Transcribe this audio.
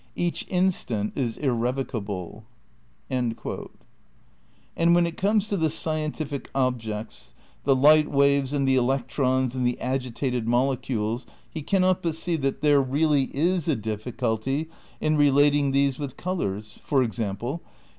Each instant is irrevocable." " And when it comes to the "scientific objects," the light waves and the electrons and the agitated mole cules he cannot but see that there really is a difficulty in relating these with colours (for example) in "the ' The Concept of Nature, pp.